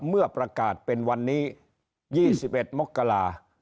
เมื่อประกาศเป็นวันนี้๒๑มกรา